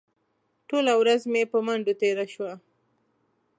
ټوله ورځ مې په منډو تېره شوه.